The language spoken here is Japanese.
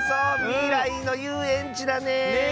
みらいのゆうえんちだね！